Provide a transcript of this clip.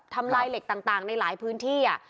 ทำลายเหล็กต่างในหลายพื้นที่